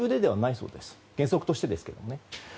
原則としてですけどね。